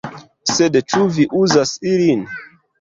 "Sed ĉu vi uzas ilin?"